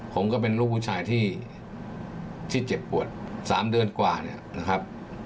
ผมก็เป็นลูกผู้ชายที่เจ็บปวด๓เดือนกว่าเนี่ยนะครับ